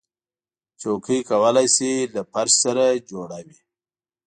چوکۍ کولی شي له فرش سره جوړه وي.